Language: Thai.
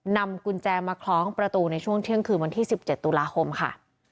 นำกุญแจมาคล้องประตูในช่วงเที่ยงคืนวันที่๑๗ตุลาคมค่ะ